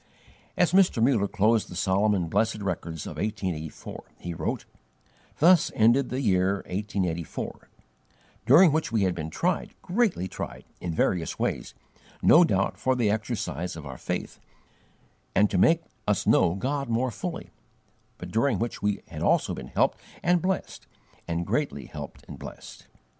As Mr. Muller closed the solemn and blessed records of 1884, he wrote: "Thus ended the year 1884, during which we had been tried, greatly tried, in various ways, no doubt for the exercise of our faith, and to make us know God more fully; but during which we had also been helped and blessed, and greatly helped and blessed.